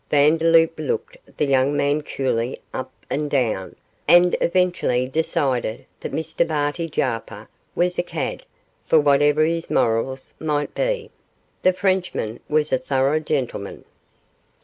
Vandeloup looked the young man coolly up and down, and eventually decided that Mr Barty Jarper was a 'cad', for whatever his morals might be, the Frenchman was a thorough gentleman.